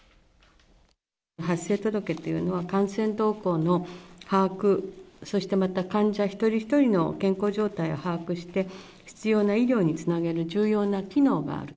発生届っていうのは、感染動向の把握、そしてまた患者一人一人の健康状態を把握して、必要な医療につなげる重要な機能がある。